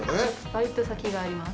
バイト先があります。